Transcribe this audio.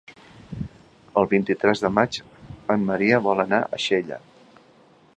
El vint-i-tres de maig en Maria vol anar a Xella.